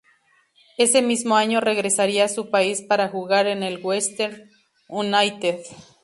Ese mismo año regresaría a su país para jugar en el Western United.